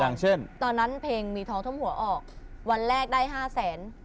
อย่างเช่นตอนนั้นเพลงมีทองท่มหัวออกวันแรกได้ห้าแสน